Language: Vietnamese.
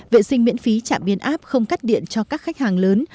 vệ sinh miễn phí trạm biến áp không cắt điện cho các khách hàng lớn